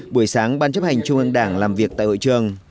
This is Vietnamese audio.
buổi sáng ban chấp hành trung ương đảng làm việc tại hội trường